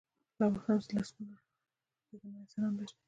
لا اوس هم لسګونه بې ګناه انسانان وژني.